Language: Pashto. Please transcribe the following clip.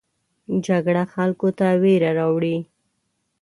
جګړه خلکو ته ویره راوړي